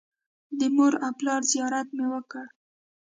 د مور او پلار زیارت مې وکړ.